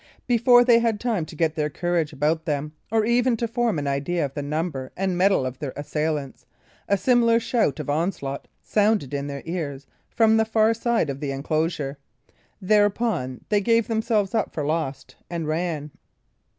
Before they had time to get their courage about them, or even to form an idea of the number and mettle of their assailants, a similar shout of onslaught sounded in their ears from the far side of the enclosure. Thereupon they gave themselves up for lost and ran.